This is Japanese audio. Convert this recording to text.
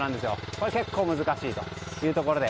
これが結構難しいというところで。